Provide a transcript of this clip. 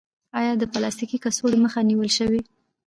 آیا د پلاستیکي کڅوړو مخه نیول شوې؟